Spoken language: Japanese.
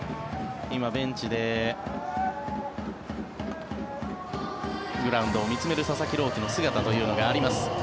今、ベンチでグラウンドを見つめる佐々木朗希の姿があります。